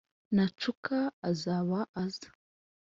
nacuka azaba aza